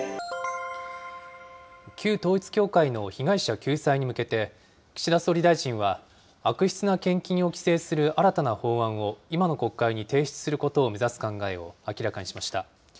旧統一教会の被害者救済に向けて、岸田総理大臣は、悪質な献金を規制する新たな法案を今の国会に提出することを目指す考えを明らかにしました。